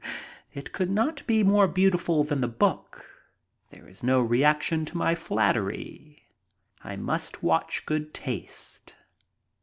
It could not be more beautiful than the book. There is no reaction to my flattery. I must watch good taste.